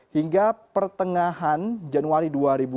hingga pertengahan januari dua ribu lima belas